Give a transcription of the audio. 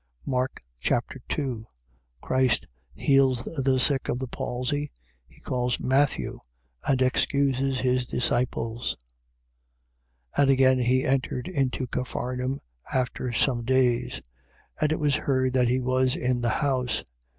Mark Chapter 2 Christ heals the sick of the palsy. He calls Matthew and excuses his disciples. 2:1. And again he entered into Capharnaum after some days. 2:2. And it was heard that he was in the house.